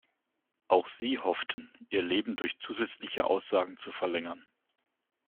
Auch sie hofften, ihr Leben durch zusätzliche Aussagen zu verlängern.